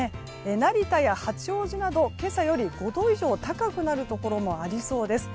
成田や八王子など今朝より５度以上高くなるところもありそうです。